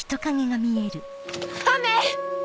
雨！